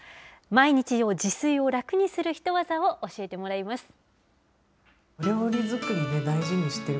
毎日の自炊を楽にするヒトワザを教えてもらいます。